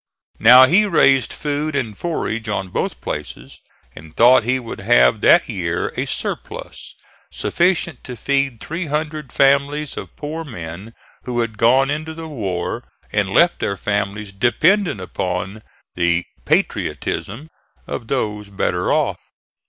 Now he raised food and forage on both places, and thought he would have that year a surplus sufficient to feed three hundred families of poor men who had gone into the war and left their families dependent upon the "patriotism" of those better off.